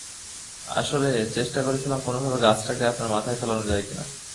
আসলে চেষ্টা করছিলাম কোনভাবে গাছটাকে আপনার মাথায় ফেলানো যায় কিনা।